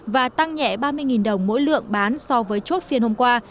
và tăng nhẹ ba mươi đồng mỗi lượng bán so với chốt phiên hôm qua